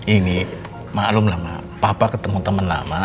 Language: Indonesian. ini maklum lama papa ketemu teman lama